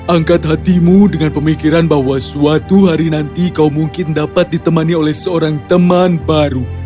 angkat hatimu dengan pemikiran bahwa suatu hari nanti kau mungkin dapat ditemani oleh seorang teman baru